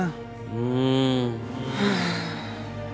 うん。